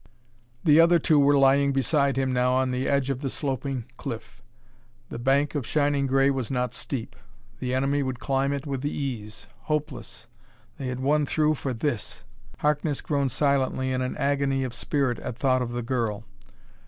The other two were lying beside him now at the edge of the sloping cliff. The bank of shining gray was not steep; the enemy would climb it with ease. Hopeless! They had won through for this!... Harkness groaned silently in an agony of spirit at thought of the girl.